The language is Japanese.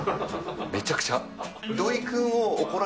めちゃくちゃ。